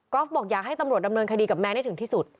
บอกอยากให้ตำรวจดำเนินคดีกับแมนให้ถึงที่สุด